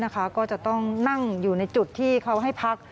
ก็จะต้องนั่งอยู่ในจุดที่เขาให้พัก